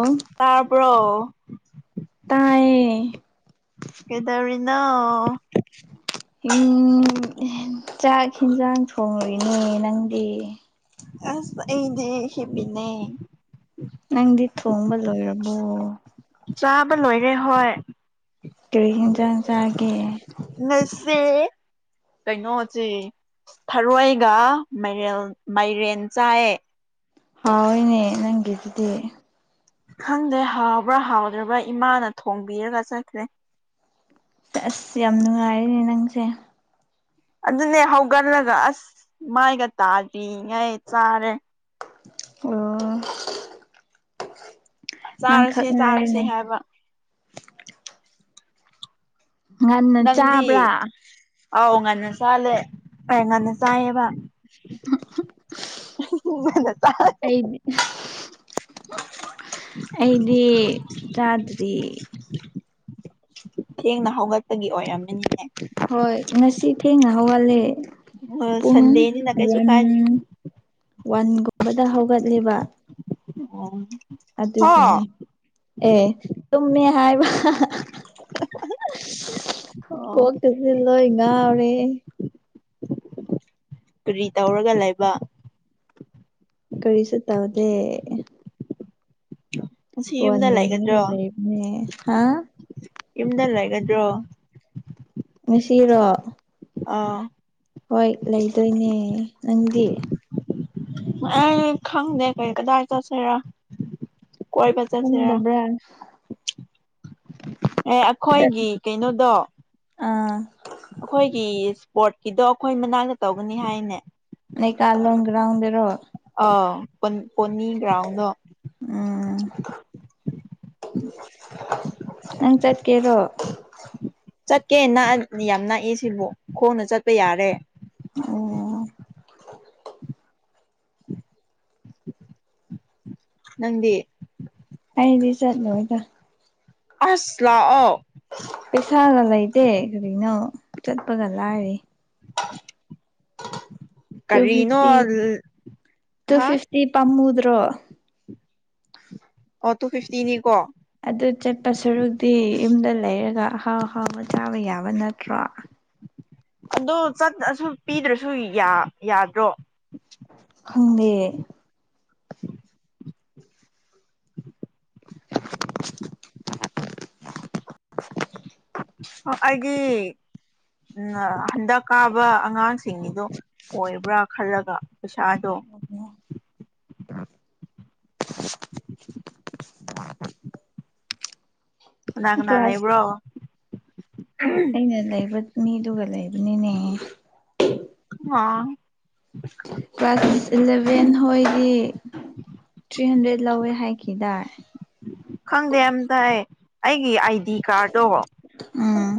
ꯑꯣ ꯇꯥꯄ ꯇꯥꯏꯌꯦ ꯀꯇꯥ ꯅ ꯎ ꯆꯥꯛ ꯌꯦꯟꯖꯥꯡ ꯊꯣꯡꯂꯨꯏꯅꯦ ꯅꯪꯗꯤ ꯑꯁ ꯑꯩꯅꯦ ꯍꯦꯕꯤꯅꯦ ꯅꯪꯗꯤ ꯊꯣꯡꯕ ꯂꯣꯏꯔꯕꯣ ꯆꯥꯕ ꯂꯣꯏꯔꯦ ꯍꯣꯏ ꯇꯨꯔꯤ ꯌꯦꯟꯁꯥꯡ ꯆꯥꯒꯤ ꯅꯁꯦ ꯀꯩꯅꯣꯁꯤ ꯊꯔꯣꯏꯒ ꯃꯔꯦꯟ ꯃꯥꯏꯔꯦꯟ ꯆꯥꯏ ꯍꯥꯎ ꯍꯣꯏꯅꯦ ꯅꯪꯒꯤꯗꯨꯗꯤ ꯈꯪꯗꯦ ꯍꯥꯎꯕ꯭ꯔꯥ ꯍꯥꯎꯗ꯭ꯔꯕ꯭ꯔꯥ ꯏꯃꯥꯅ ꯊꯣꯡꯕꯤꯔꯒ ꯆꯠꯈ꯭ꯔꯦ ꯑꯁ ꯌꯥꯝ ꯅꯨꯡꯉꯥꯏꯔꯤꯅꯦ ꯅꯪꯁꯦ ꯑꯗꯨꯅꯦ ꯍꯧꯒꯠꯂꯒ ꯑꯁ ꯃꯥꯏꯒ ꯇꯥꯔꯤꯉꯩ ꯆꯥꯔꯦ ꯑꯣ ꯅꯪꯈꯛ ꯆꯥꯔꯨꯁꯦ ꯆꯥꯔꯨꯁꯦ ꯉꯥꯏꯔꯦꯅꯦ ꯍꯥꯏꯕ ꯉꯟꯅ ꯅꯪꯗꯤ ꯆꯥꯕ꯭ꯔꯥ ꯑꯥꯎ ꯉꯟꯅ ꯆꯥꯂꯦ ꯀ ꯉꯟꯅ ꯆꯥꯏꯌꯦꯕ ꯃꯅ ꯇ ꯑꯩꯗꯤ ꯑꯩꯗꯤ ꯆꯥꯗ꯭ꯔꯤ ꯊꯦꯡꯅ ꯍꯧꯒꯠꯄꯒꯤ ꯑꯣꯏꯔꯝꯃꯤꯅꯤꯅꯦ ꯍꯣꯏ ꯉꯁꯤ ꯊꯦꯡꯅ ꯍꯧꯒꯜꯂꯦ ꯑꯣ ꯄꯨꯡ ꯁꯟꯗꯦꯅꯤꯅ ꯀꯩꯁꯨ ꯋꯥꯟ ꯀꯥꯏꯗꯦꯗ ꯋꯥꯟꯒꯨꯝꯕꯗ ꯍꯧꯒꯠꯂꯤꯕ ꯑꯣ ꯍꯥ ꯑꯗꯨꯒꯤꯅꯦ ꯑꯦ ꯇꯨꯝꯃꯦ ꯍꯥꯏꯕ ꯑꯣ ꯀꯣꯛ ꯇꯁꯤ ꯂꯣꯏ ꯉꯥꯎꯔꯤ ꯀꯨꯔꯤ ꯇꯧꯔꯒ ꯂꯩꯕ ꯀꯔꯤꯁꯨ ꯇꯕꯗꯦ ꯉꯁꯤ ꯌꯨꯝꯗ ꯄꯅꯦ ꯍꯥ ꯌꯗꯜ ꯂꯩꯒꯗ꯭ꯔꯣ ꯉꯁꯤꯔꯣ ꯑꯥ ꯍꯣꯏ ꯂꯩꯗꯣꯏꯅꯦ ꯅꯪꯗꯤ ꯑ ꯈꯪꯗꯦ ꯀ ꯀꯗꯥ ꯇꯁꯔ ꯈꯟꯗꯕ꯭ꯔꯥ ꯑꯦ ꯑꯩꯈꯣꯏꯒꯤ ꯀꯩꯅꯣꯗꯣ ꯑꯥ ꯑꯩꯈꯣꯏꯒꯤ ꯏꯁꯄꯣꯔꯠꯀꯤꯗꯣ ꯑꯩꯈꯣꯏ ꯃꯅꯥꯛꯇ ꯇꯧꯒꯅꯤ ꯍꯥꯏꯅꯦ ꯅ ꯀꯂꯒ꯭ꯔꯥꯎꯟꯗꯔꯣ ꯑ ꯄꯣꯅꯤ ꯭ꯔꯥꯎꯟꯗꯣ ꯎꯝ ꯅꯪ ꯆꯠꯀꯦꯔꯣ ꯆꯠꯀꯦ ꯌꯥꯝ ꯛꯏ ꯁꯤꯕꯨ ꯈꯣꯡꯅ ꯆꯠꯄ ꯌꯥꯔꯦ ꯎꯝ ꯅꯟꯦ ꯑꯥꯏꯗꯤ ꯆꯥꯠꯨ ꯍꯣꯏꯗ ꯑꯁꯂꯑꯣ ꯄꯩꯁꯥꯒ ꯂꯩꯇꯦ ꯀꯔꯤꯅꯣ ꯆꯠꯄꯒ ꯂꯥꯏꯔꯤ ꯇꯨ ꯀꯔꯤꯅꯣ ꯐꯤꯐꯇꯤ ꯇꯨ ꯍꯥ ꯐꯤꯐꯇꯤ ꯄꯥꯝꯃꯨꯗ꯭ꯔꯣ ꯑꯣ ꯇꯨ ꯐꯤꯐꯇꯤꯅꯤꯀꯣ ꯑꯗꯨ ꯆꯠꯄ ꯁꯔꯨꯛꯇꯤ ꯌꯨꯝꯗ ꯂꯩꯔꯒ ꯑꯍꯥꯎ ꯍꯥꯎꯕ ꯆꯥꯕ ꯌꯥꯕ ꯅꯠꯇ꯭ꯔꯣ ꯑꯗꯣ ꯆꯠꯁꯨ ꯄꯤꯗ꯭ꯔꯁꯨ ꯌꯥꯗ꯭ꯔꯣ ꯈꯪꯉꯦ [inaudible] ꯑꯩꯒꯤ ꯎ ꯍꯟꯗꯛ ꯀꯥꯕ ꯑꯉꯥꯡꯁꯤꯡꯅꯤꯗꯣ ꯑꯣꯏꯕ꯭ꯔꯥ ꯈꯜꯂꯒ ꯄꯩꯁꯥꯗꯣ ꯑ ꯉꯅꯥ ꯀꯅꯥ ꯀ꯭ꯂꯥꯁ ꯂꯩꯕ꯭ꯔꯣ ꯃꯤꯅ ꯂꯩꯕ ꯃꯤꯗꯨꯒ ꯂꯩꯕꯅꯤꯅꯦ ꯑꯥ ꯀ꯭ꯂꯥꯁ ꯏꯂꯚꯦꯟ ꯍꯣꯏꯒꯤ ꯊ꯭ꯔꯤ ꯍꯟꯗ꯭ꯔꯦꯗ ꯂꯧꯋꯦ ꯍꯥꯏꯈꯤꯗꯥ ꯈꯪꯗꯦ ꯑꯝꯇꯥꯏ ꯑꯩꯒꯤ ꯑꯥꯏ ꯗꯤ ꯀꯥꯔꯠꯇꯣ ꯑꯥ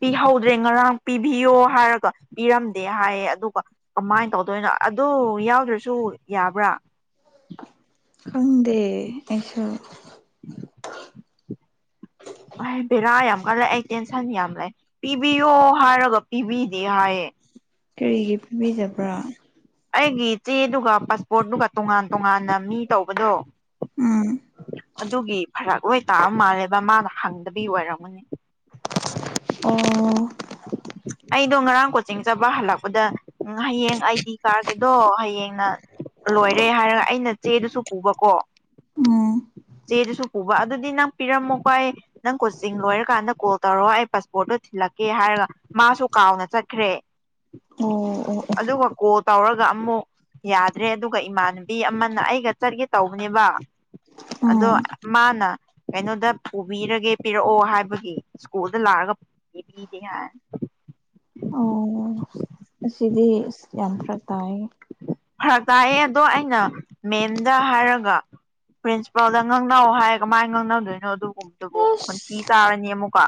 ꯄꯤꯍꯧꯗ꯭ꯔꯦ ꯉꯔꯥꯡ ꯄꯤꯕꯤꯌꯣ ꯍꯥꯏꯔꯒ ꯄꯤꯔꯝꯗꯦ ꯍꯥꯏꯌꯦ ꯑꯗꯨꯒ ꯀꯃꯥꯏꯅ ꯇꯧꯗꯣꯏꯅꯣ ꯑꯗꯨ ꯌꯥꯎꯗ꯭ꯔꯁꯨ ꯌꯥꯕ꯭ꯔꯥ ꯈꯪꯗꯦ ꯑꯩꯁꯨ ꯎꯝ ꯑꯩ ꯕꯦꯔꯥ ꯌꯥꯝ ꯀꯜꯂꯛꯑ ꯑꯩ ꯇꯦꯟꯁꯟ ꯌꯥꯝ ꯂꯩ ꯄꯤꯕꯤꯌꯣ ꯍꯥꯏꯔꯒ ꯄꯤꯕꯤꯗꯦ ꯍꯥꯏꯌꯦ ꯀꯔꯤꯒꯤ ꯄꯤꯕꯤꯗꯕ꯭ꯔꯥ ꯑꯩꯒꯤ ꯆꯦꯗꯨꯒ ꯄꯥꯁꯄꯣꯔꯠꯗꯨꯨꯒ ꯇꯣꯉꯥꯟ ꯇꯣꯉꯥꯟꯅ ꯃꯤ ꯇꯧꯕꯗꯣ ꯎꯝ ꯑꯗꯨꯒꯤ ꯐꯔꯥꯛ ꯑꯣꯏ ꯇꯥꯕ ꯃꯥꯜꯂꯦꯕ ꯃꯥꯅ ꯍꯪꯗꯕꯤ ꯑꯣꯏꯔꯝꯃꯅꯤ ꯑꯣ ꯑꯩꯗꯣ ꯉꯔꯥꯡ ꯀꯣꯆꯤꯡ ꯆꯠꯄ ꯍꯜꯂꯛꯄꯗ ꯍꯌꯦꯡ ꯑꯩꯗꯤ ꯀꯥꯔꯒꯦꯗꯣ ꯍꯌꯦꯡꯅ ꯂꯣꯏꯔꯦ ꯍꯥꯏꯔꯒ ꯑꯩꯅ ꯆꯦꯗꯨꯁꯨ ꯄꯨꯕꯀꯣ ꯎꯝ ꯆꯦꯗꯨꯁꯨ ꯄꯨꯕ ꯑꯗꯨꯗꯤ ꯅꯪ ꯄꯤꯔꯝꯃꯣꯀꯣ ꯑꯩ ꯅꯪ ꯀꯣꯆꯤꯡ ꯂꯣꯏꯔꯀꯥꯟꯗ ꯀꯣꯜ ꯇꯧꯔꯛꯑꯣ ꯑꯩ ꯄꯥꯁꯄꯣꯔꯠꯇꯣ ꯊꯤꯜꯂꯛꯀꯦ ꯍꯥꯏꯔꯒ ꯃꯥꯁꯨ ꯀꯥꯎꯅ ꯆꯠꯈ꯭ꯔꯦ ꯑꯣ ꯑꯣ ꯑꯗꯨꯒ ꯀꯣꯜ ꯇꯧꯔꯒ ꯑꯃꯨꯛ ꯌꯥꯗ꯭ꯔꯦ ꯑꯗꯨꯒ ꯏꯃꯥꯟꯅꯕꯤ ꯑꯃꯅ ꯑꯩꯒ ꯆꯠꯒꯦ ꯇꯧꯕꯅꯦꯕ ꯑꯣ ꯑꯗꯣ ꯎꯝ ꯃꯥꯅ ꯀꯩꯅꯣꯗ ꯄꯨꯕꯤꯔꯒꯦ ꯄꯤꯔꯛꯑꯣ ꯍꯥꯏꯕꯒꯤ ꯁꯀꯨꯜꯗ ꯂꯥꯛꯑꯒ ꯄꯤꯕꯤꯗꯤ ꯌꯥ ꯑꯣ ꯑꯁꯤꯗꯤ ꯑꯁ ꯌꯥꯝ ꯐꯔꯛ ꯇꯥꯏ ꯐꯔꯛ ꯇꯥꯏꯑꯦ ꯑꯗꯣ ꯑꯩꯅ ꯃꯦꯝꯗ ꯍꯥꯏꯔꯒ ꯄ꯭ꯔꯤꯟꯁꯤꯄꯥꯜꯗ ꯉꯥꯡꯅꯧ ꯍꯥꯏꯔꯒ ꯃꯥꯏ ꯉꯥꯡꯅꯗꯣꯏꯅꯣ ꯑꯗꯨꯒꯨꯝꯕꯗꯨꯕꯨ ꯈꯣꯟꯊꯤ ꯑꯁ ꯆꯥꯔꯅꯤ ꯑꯃꯨꯛꯀꯥ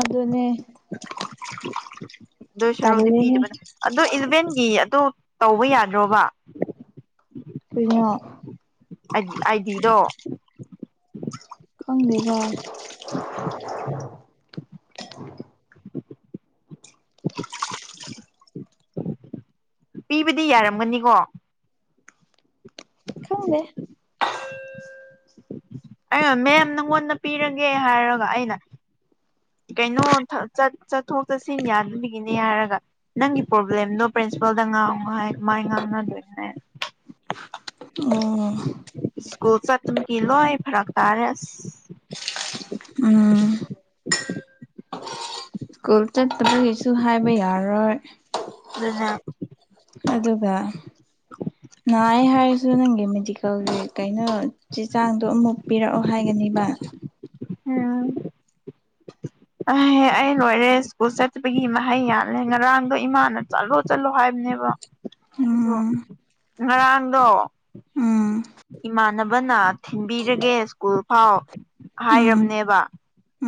ꯑꯗꯨꯅꯦ ꯗꯣꯏ ꯁꯔꯨꯛꯗꯤ ꯇꯜꯂꯦꯍꯦ ꯄꯤꯗꯥꯕꯅ ꯑꯗꯣ ꯏꯂꯥꯚꯦꯟꯒꯤ ꯑꯗꯣ ꯇꯧꯕ ꯌꯥꯗ꯭ꯔꯣꯕꯥ ꯀꯔꯤꯅꯣ ꯑꯥꯏꯗꯤꯗꯣ ꯈꯪꯗꯦꯗꯥ [inaudible] [unintelligible] ꯄꯤꯕꯗꯤ ꯌꯥꯔꯝꯒꯅꯤꯀꯣ ꯈꯪꯗꯦ ꯑꯩꯩꯅ ꯃꯦꯝ ꯅꯉꯣꯟꯗ ꯄꯤꯔꯒꯦ ꯍꯥꯏꯔꯒ ꯑꯩꯅ ꯀꯩꯅꯣ ꯆꯠꯊꯣꯛ ꯆꯠꯁꯤꯟ ꯌꯥꯗꯕꯤꯒꯤꯅꯦ ꯍꯥꯏꯔꯒ ꯅꯪꯒꯤ ꯄ꯭ꯔꯣꯕ꯭ꯂꯦꯝꯗꯣ ꯄ꯭ꯔꯤꯟꯁꯤꯄꯥꯜꯗ ꯉꯥꯡꯉꯣ ꯍꯥꯏ ꯀꯃꯥꯏ ꯉꯥꯡꯅꯗꯣꯏꯅꯦ ꯎꯝ ꯏꯁ꯭ꯀꯨꯜ ꯆꯠꯇꯥꯕꯒꯤ ꯂꯣꯏ ꯐꯔꯛ ꯇꯥꯔꯦ ꯑꯁ ꯎꯝ ꯁ꯭ꯀꯨꯜ ꯆꯠꯇꯥꯕꯒꯤꯁꯨ ꯍꯥꯏꯕ ꯌꯥꯔꯣꯏ ꯗꯨꯅꯦ ꯑꯗꯨꯒ ꯅꯥꯏ ꯍꯥꯏꯔꯁꯨ ꯅꯪꯒꯤ ꯃꯦꯗꯤꯀꯦꯜꯒꯤ ꯀꯩꯅꯣ ꯆꯦ ꯆꯥꯡꯗꯣ ꯑꯃꯨꯛ ꯄꯤꯔꯛꯑꯣ ꯍꯥꯏꯒꯅꯤꯕꯥ ꯎꯝ ꯑꯍꯦ ꯑꯩ ꯂꯣꯏꯔꯦ ꯁ꯭ꯀꯨꯜ ꯆꯠꯇꯥꯕꯒꯤ ꯃꯍꯩ ꯌꯥꯜꯂꯦ ꯉꯔꯥꯡꯗꯣ ꯏꯃꯥꯅ ꯆꯠꯂꯣ ꯆꯠꯂꯣ ꯍꯥꯏꯕꯅꯦꯕ ꯑꯩꯗꯣ ꯎꯝ ꯉꯔꯥꯡꯗꯣ ꯎꯝ ꯏꯃꯥꯟꯅꯕꯅꯥ ꯊꯤꯟꯕꯤꯔꯒꯦ ꯁ꯭ꯀꯨꯜ ꯐꯥꯎ ꯎꯝ ꯍꯥꯏꯔꯥꯕꯥꯅꯦꯕ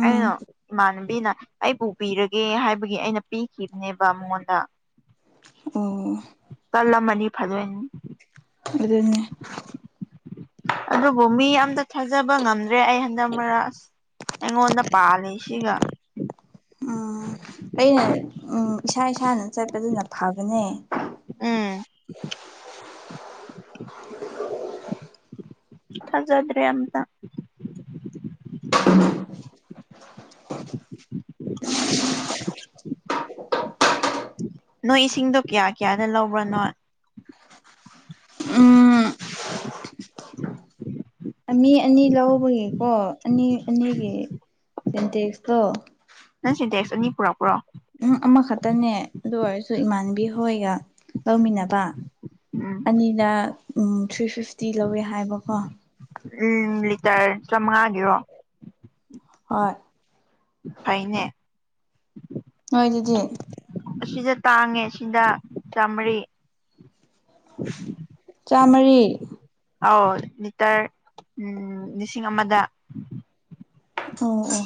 ꯎꯝ ꯑꯩꯅ ꯏꯃꯥꯟꯅꯕꯤꯅ ꯑꯩ ꯄꯨꯕꯤꯔꯒꯦ ꯍꯥꯏꯕꯒꯤ ꯑꯩꯅ ꯄꯤꯈꯤꯕꯅꯦꯕ ꯃꯉꯣꯟꯗ [inaudible] ꯇꯜꯂꯝꯃꯥꯗꯤ ꯐꯗꯣꯏꯅꯦ ꯑꯗꯨꯅꯦ ꯑꯗꯨꯕꯨ ꯃꯤ ꯑꯃꯇꯥ ꯊꯥꯖꯕ ꯉꯝꯗ꯭ꯔꯦ ꯑꯩ ꯍꯟꯗꯛ ꯃꯔꯛ ꯑꯁ ꯑꯩꯉꯣꯟꯗꯥ ꯄꯥꯜꯂꯤꯁꯤꯒ ꯎꯝ ꯑꯩꯅ ꯎꯝ ꯏꯁꯥ ꯏꯁꯥꯅ ꯆꯠꯄꯗꯨꯅ ꯐꯕꯅꯦ ꯎꯝ ꯊꯥꯖꯗ꯭ꯔꯦ ꯑꯝꯇꯥ ꯅꯣꯏ ꯏꯁꯤꯡꯗꯣ ꯀꯌꯥ ꯀꯌꯥꯗ ꯂꯧꯕ꯭ꯔꯥ ꯅꯣꯏ ꯎꯝ ꯑꯥꯃꯤ ꯑꯅꯤ ꯂꯧꯕꯒꯤꯀꯣ ꯑꯅꯤ ꯑꯅꯤꯒꯤ ꯁꯤꯟꯇꯦꯛꯁꯇꯣ ꯅꯪ ꯁꯤꯟꯇꯦꯛꯁ ꯑꯅꯤ ꯄꯨꯔꯛꯄ꯭ꯔꯣ ꯎꯝ ꯑꯃꯥꯈꯛꯇꯥꯅꯦ ꯑꯗꯨ ꯑꯣꯏꯔꯁꯨ ꯏꯃꯥꯟꯅꯕꯤ ꯍꯣꯏꯒ ꯂꯧꯃꯤꯟꯅꯕ ꯎꯝ ꯑꯅꯤꯗꯥ ꯎꯝ ꯊ꯭ꯔꯤ ꯐꯤꯐꯇꯤ ꯂꯧꯋꯦ ꯍꯥꯏꯕꯀꯣ ꯎꯝ ꯂꯤꯇꯔ ꯆꯥꯃꯉꯥꯒꯤꯔꯣ ꯍꯣꯏ ꯐꯥꯏꯅꯦ ꯅꯣꯏꯗꯥꯗꯤ ꯑꯁꯤꯗ ꯇꯥꯡꯉꯦ ꯁꯤꯗ ꯆꯥꯃꯔꯤ ꯆꯥꯝꯃꯔꯤ ꯑꯧ ꯂꯤꯇꯔ ꯎꯝ ꯂꯤꯁꯤꯡ ꯑꯃꯥꯗ ꯑꯣ ꯑꯣ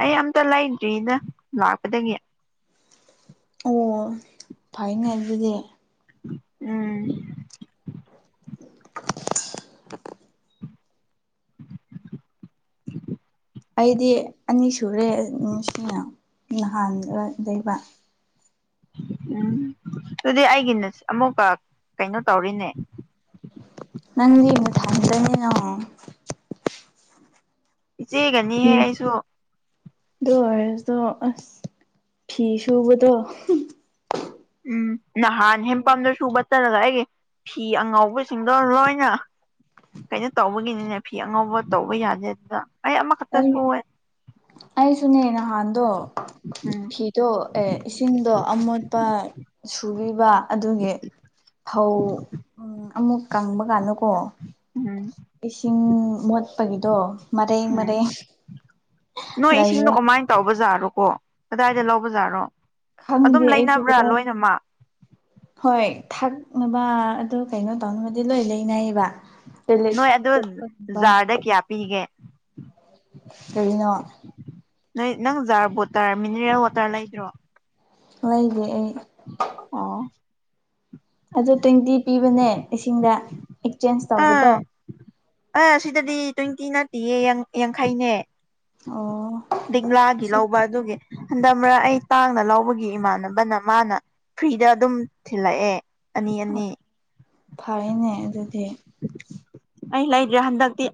ꯑꯩ ꯑꯝꯇꯥ ꯂꯩꯗ꯭ꯔꯤꯗꯥ ꯂꯥꯛꯄꯥꯗꯒꯤ ꯑꯣ ꯐꯩꯅꯦ ꯑꯗꯨꯗꯤ ꯎꯝ [unintelligible] ꯑꯩꯗꯤ ꯑꯅꯤ ꯁꯨꯔꯦ ꯅꯨꯡꯁꯤꯅ ꯅꯍꯥꯟꯂ ꯂꯩꯕ ꯎꯝ ꯑꯗꯨꯗꯤ ꯑꯩꯒꯤꯅ ꯑꯃꯨꯛꯀ ꯀꯩꯅꯣ ꯇꯧꯔꯤꯅꯦ ꯅꯪꯗꯤ [unintelligible] ꯏꯆꯦꯒꯅꯤꯍꯦ ꯑꯩꯁꯨ ꯑꯗꯨ ꯑꯣꯏꯔꯁꯣ ꯑꯁ ꯐꯤ ꯁꯨꯕꯗꯣ ꯎꯝ ꯅꯍꯥꯟ ꯍꯦꯟꯄꯝꯗ ꯁꯨꯕ ꯆꯠꯔꯒ ꯑꯩꯒꯤ ꯐꯤ ꯑꯉꯧꯕꯁꯤꯡꯗꯣ ꯂꯣꯏꯅ ꯀꯩꯅꯣ ꯇꯧꯕꯒꯤꯅꯤꯅꯦ ꯐꯤ ꯑꯉꯧꯕ ꯇꯧꯕ ꯌꯥꯗꯦ ꯑꯗꯨꯗ ꯑꯩ ꯑꯃꯈꯛꯇ ꯑꯩ ꯁꯨꯌꯦ ꯑꯩꯁꯨꯅꯦ ꯅꯍꯥꯟꯗꯣ ꯎꯝ ꯐꯤꯗꯣ ꯑꯦ ꯏꯁꯤꯡꯗꯣ ꯑꯃꯣꯠꯄ ꯁꯨꯕꯤꯕ ꯑꯗꯨꯒꯤ ꯐꯧ ꯑꯃꯨꯛ ꯀꯪꯕ ꯀꯥꯟꯗꯀꯣ ꯎꯝ ꯏꯁꯤꯡ ꯃꯣꯠꯄꯒꯤꯗꯣ ꯃꯔꯦꯡ ꯃꯔꯦꯡ ꯎꯝ ꯅꯣꯏ ꯏꯁꯤꯡꯗꯣ ꯂꯩꯌꯦ ꯀꯃꯥꯏꯅ ꯇꯧꯕꯖꯥꯠꯔꯣꯀꯣ ꯀꯗꯥꯏꯗ ꯂꯧꯕꯖꯥꯠꯔꯣ ꯑꯗꯨꯝ ꯈꯪꯗꯦ ꯑꯩꯁꯨ ꯂꯩꯅꯕ꯭ꯔꯥ ꯀꯗꯥꯏ ꯂꯣꯏꯅꯃꯛ ꯍꯣꯏ ꯊꯛꯅꯕ ꯑꯗꯨ ꯀꯩꯅꯣ ꯇꯧꯅꯕꯗꯤ ꯂꯣꯏ ꯂꯩꯅꯩꯌꯦꯕ ꯇꯣꯏꯂꯦꯠ ꯅꯣꯏ ꯑꯗꯣ ꯆꯠꯄꯒꯨꯝꯕ ꯖꯥꯔꯗ ꯀꯌꯥ ꯄꯤꯒꯦ ꯀꯩꯅꯣ ꯅꯣꯏ ꯅꯪ ꯖꯥꯔ ꯕꯣꯇꯔ ꯃꯤꯅꯔꯦꯜ ꯋꯥꯇꯔ ꯂꯩꯗ꯭ꯔꯣ ꯂꯩꯗꯦ ꯑꯩ ꯑꯣ ꯑꯗ ꯇ꯭ꯋꯦꯟꯇꯤ ꯄꯤꯕꯅꯦ ꯏꯁꯤꯡꯗ ꯑꯦꯛꯆꯦꯟꯖ ꯇꯧꯕꯗꯣ ꯑꯦ ꯁꯤꯗꯗꯤ ꯇ꯭ꯋꯦꯟꯇꯤ ꯅꯠꯇꯦꯌꯦ ꯌꯥꯡꯈꯩꯅꯦ ꯑꯣ ꯂꯤꯛꯂꯥꯒꯤ ꯑꯁꯤ ꯂꯧꯕ ꯑꯗꯨꯒꯤ ꯍꯟꯗꯛ ꯃꯔꯛ ꯑꯩ ꯇꯥꯡꯅ ꯂꯧꯕꯒꯤ ꯏꯃꯥꯟꯅꯕꯅ ꯃꯥꯅ ꯐ꯭ꯔꯤꯗ ꯑꯗꯨꯝ ꯊꯤꯜꯂꯛꯑꯦ ꯑꯅꯤ ꯑꯅꯤ ꯐꯔꯦꯅꯦ ꯑꯗꯨꯗꯤ [inaudible] ꯑꯩ ꯂꯩꯗ꯭ꯔꯦ ꯍꯟꯗꯛꯇꯤ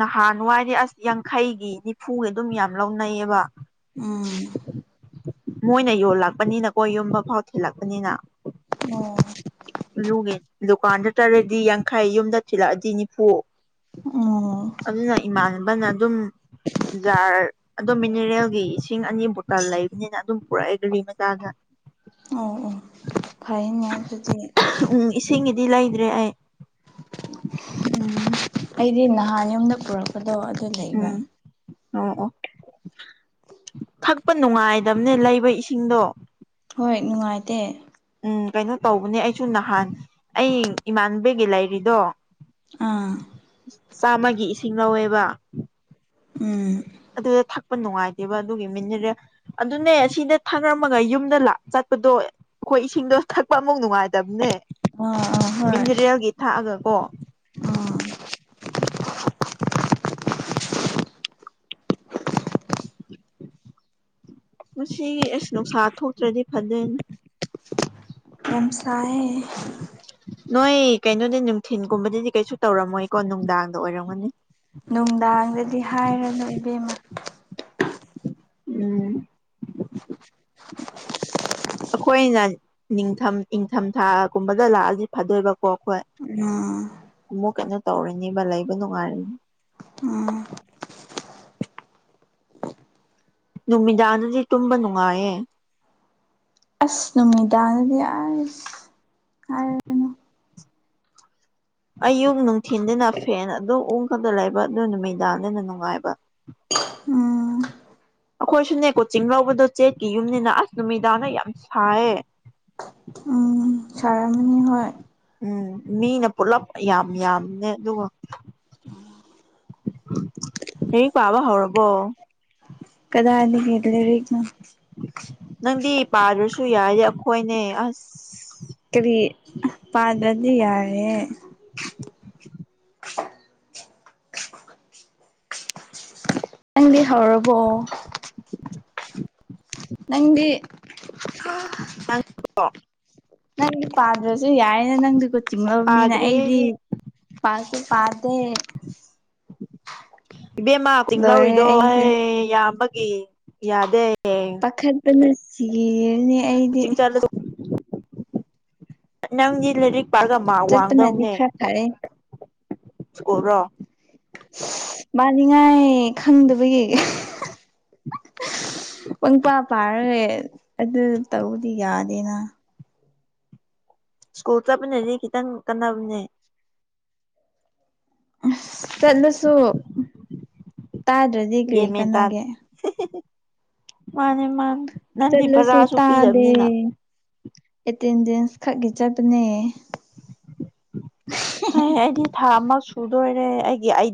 ꯅꯍꯥꯟꯋꯥꯏꯗꯤ ꯑꯁ ꯌꯥꯡꯈꯩꯒꯤ ꯅꯤꯐꯨꯒꯤ ꯑꯗꯨꯝ ꯌꯥꯝ ꯂꯧꯅꯩꯌꯦꯕ ꯎꯝ ꯃꯣꯏꯅ ꯌꯣꯜꯂꯛꯄꯅꯤꯅꯀꯣ ꯌꯨꯝꯕ ꯐꯥꯎ ꯊꯤꯂꯛꯄꯅꯤꯅ ꯑꯣ ꯂꯨꯒꯤ ꯗꯨꯀꯥꯟꯗ ꯆꯠꯂꯗꯤ ꯌꯥꯡꯈꯩ ꯌꯨꯝꯗ ꯊꯤꯜꯂꯛꯑꯗꯤ ꯅꯤꯐꯨ ꯑꯣ ꯑꯗꯨꯅ ꯏꯃꯥꯟꯅꯕꯅ ꯑꯗꯨꯝ ꯖꯥꯔ ꯑꯗꯨꯝ ꯃꯤꯅꯔꯦꯜꯒꯤ ꯏꯁꯤꯡ ꯑꯅꯤꯕꯨ ꯂꯩꯕꯅꯤꯅ ꯑꯗꯨꯝ ꯄꯨꯔꯥꯛꯑꯦ ꯒꯔꯤ ꯃꯆꯥꯗ ꯑꯣ ꯑꯣ ꯐꯩꯅꯦ ꯑꯗꯨꯗꯤ ꯎꯝ ꯏꯁꯤꯡꯒꯤꯗꯤ ꯂꯩꯗ꯭ꯔꯦ ꯑꯩ ꯎꯝ ꯑꯩꯗꯤ ꯅꯍꯥꯟ ꯌꯨꯝꯗ ꯄꯨꯔꯛꯄꯗꯣ ꯑꯗꯨ ꯂꯩꯕ ꯎꯝ ꯑꯣ ꯑꯣ ꯊꯛꯄ ꯅꯨꯡꯉꯥꯏꯗꯝꯅꯦ ꯂꯩꯕ ꯏꯁꯤꯡꯗꯣ ꯍꯣꯏ ꯅꯨꯡꯉꯥꯏꯇꯦ ꯎꯝ ꯀꯩꯅꯣ ꯇꯧꯕꯅꯦ ꯑꯩꯁꯨ ꯅꯍꯥꯟ ꯑꯩ ꯏꯃꯥꯟꯕꯤꯒꯤ ꯂꯩꯔꯤꯗꯣ ꯑꯥ ꯆꯥꯝꯃꯒꯤ ꯏꯁꯤꯡ ꯂꯧꯋꯦꯕ ꯎꯝ ꯑꯗꯨ ꯊꯛꯄ ꯅꯨꯡꯉꯥꯏꯇꯦꯕ ꯑꯗꯨꯒꯤ ꯃꯤꯅꯤꯔꯦꯜ ꯑꯗꯨꯅꯦ ꯑꯁꯤꯗ ꯊꯥꯛꯔꯝꯃꯒ ꯌꯨꯝꯗ ꯂꯥꯛ ꯆꯠꯄꯗꯣ ꯑꯩꯈꯣꯏ ꯏꯁꯤꯡꯗꯣ ꯊꯛꯄ ꯑꯃꯨꯛ ꯅꯨꯡꯉꯥꯏꯇꯕꯅꯦ ꯑꯥ ꯍꯣꯏ ꯃꯤꯅꯤꯔꯦꯜꯒꯤ ꯊꯥꯛꯑꯒ ꯀꯣ ꯑꯥ [inaudible] ꯃꯁꯤ ꯑꯁ ꯅꯨꯡꯁꯥ ꯊꯣꯛꯇ꯭ꯔꯗꯤ ꯐꯗꯣꯏꯅꯤ ꯌꯥꯝ ꯁꯥꯏ ꯅꯣꯏ ꯀꯩꯅꯣꯗꯤ ꯅꯨꯡꯊꯤꯟꯒꯨꯝꯕꯗꯗꯤ ꯀꯩꯁꯨ ꯇꯧꯔꯝꯃꯣꯏꯀꯣ ꯅꯨꯡꯗꯥꯡꯗ ꯑꯣꯏꯔꯝꯒꯅꯤ ꯅꯨꯡꯗꯥꯡꯗꯗꯤ ꯍꯥꯏꯔꯅꯨ ꯏꯕꯦꯝꯃ ꯎꯝ ꯑꯩꯈꯣꯏꯅ ꯅꯤꯡꯊꯝ ꯏꯪꯊꯝꯊꯥꯒꯨꯝꯕꯗ ꯂꯥꯛꯑꯗꯤ ꯐꯗꯣꯏꯕꯀꯣ ꯑꯩꯈꯣꯏ [unintelligible] ꯑꯃꯨꯨꯛ ꯀꯩꯅꯣ ꯇꯧꯔꯤꯅꯦꯕ ꯂꯩꯕ ꯅꯨꯡꯉꯥꯏꯔꯅꯤ ꯑꯥ ꯅꯨꯃꯤꯗꯥꯡꯗꯗꯤ ꯇꯨꯝꯕ ꯅꯨꯡꯉꯥꯏꯌꯦ ꯑꯁ ꯅꯨꯃꯤꯗꯥꯡꯗꯗꯤ ꯑꯁ ꯍꯥꯏꯔꯅꯨ [inaudible] ꯑꯌꯨꯛ ꯅꯨꯡꯊꯤꯟꯗꯅ ꯐꯦꯟ ꯑꯗꯨꯝ ꯎꯪꯈ꯭ꯔꯒ ꯂꯩꯕ ꯑꯗꯨ ꯅꯨꯃꯤꯗꯥꯡꯗꯅ ꯅꯨꯡꯉꯥꯏꯕ ꯎꯝ ꯑꯩꯈꯣꯏꯁꯨꯅꯦ ꯀꯣꯆꯤꯡ ꯂꯧꯕꯗꯣ ꯆꯦꯛꯀꯤ ꯌꯨꯝꯅꯤꯅ ꯑꯁ ꯅꯨꯃꯤꯗꯥꯡꯅ ꯌꯥꯝ ꯁꯥꯏꯌꯦ ꯎꯝ ꯁꯥꯔꯝꯒꯅꯤ ꯍꯣꯏ ꯎꯝ ꯃꯤꯅ ꯄꯨꯂꯞ ꯌꯥꯝ ꯌꯥꯝꯅꯦ ꯑꯗꯨꯒ [unintelligible] ꯂꯥꯏꯔꯤꯛ ꯄꯥꯕ ꯍꯧꯔꯕꯣ ꯀꯗꯥꯏꯗꯒꯤ ꯂꯥꯏꯔꯤꯛꯅꯣ ꯅꯪꯗꯤ ꯄꯥꯗ꯭ꯔꯁꯨ ꯌꯥꯏꯌꯦ ꯑꯩꯈꯣꯏꯅꯦ ꯑꯁ ꯀꯔꯤ ꯄꯥꯗ꯭ꯔꯗꯤ ꯌꯥꯔꯦ ꯅꯪꯗꯤ ꯍꯧꯔꯕꯣ ꯅꯪꯗꯤ [unintelligible] ꯅꯪꯗꯤ ꯄꯥꯝꯗ꯭ꯔꯁꯨ ꯌꯥꯏꯅꯦ ꯅꯪꯗꯤ ꯀꯣꯆꯤꯡ ꯂꯧꯕꯅꯤꯅ ꯑꯩꯗꯤ ꯄꯥꯁꯨ ꯄꯥꯗꯦ ꯏꯕꯦꯝꯃ ꯆꯤꯡ ꯂꯣꯏꯔꯦ ꯂꯧꯔꯤꯗꯣ ꯑꯦ ꯑꯩꯁꯦ ꯌꯥꯝꯕꯒꯤ ꯌꯥꯗꯦ ꯈꯠꯄꯅꯥ ꯁꯤꯌꯦꯅꯦ ꯀꯣꯆꯤꯡ ꯆꯠꯂꯁꯨ ꯅꯪꯒꯤ ꯂꯥꯏꯔꯤꯛ ꯄꯥꯔꯒ ꯃꯥꯛ ꯆꯠꯄꯅꯗꯤ ꯋꯥꯡꯗꯧꯅꯦ ꯈꯔ ꯐꯔꯦ ꯁ꯭ꯀꯨꯜꯔꯣ ꯃꯥꯅꯤꯉꯥꯏ ꯈꯪꯗꯕꯒꯤ ꯄꯪꯄꯥ ꯄꯥꯔꯒꯦ ꯑꯗꯨ ꯇꯧꯕꯗꯤ ꯌꯥꯗꯦꯅ ꯁ꯭ꯀꯨꯜ ꯆꯠꯄꯅꯗꯤ ꯈꯤꯇꯪ ꯀꯟꯅꯕꯅꯦ ꯑꯁ ꯆꯠꯂꯁꯨ ꯇꯥꯗ꯭ꯔꯗꯤ ꯀ꯭ꯔꯤ ꯒ꯭ꯌꯥꯟ ꯃꯦꯟ ꯇꯥ ꯀꯅꯥꯒꯦ ꯃꯥꯅꯦ ꯃꯥꯅꯦ ꯅꯪꯗꯤ ꯆꯠꯂꯁꯨ ꯚꯔꯥꯁꯨ ꯇꯥꯗꯦ ꯄꯤꯗꯕꯅꯤꯅ ꯑꯦꯇꯦꯟꯗꯦꯟꯁ ꯈꯛꯀꯤ ꯆꯠꯄꯅꯦ [unintelligible] ꯑꯩꯗꯤ ꯊꯥ ꯑꯃ ꯁꯨꯗꯣꯏꯔꯦ ꯑꯩꯒꯤ ꯑꯩ